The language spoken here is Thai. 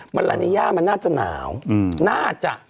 มันลานีย่ามันน่าจะหนาวน่าจะ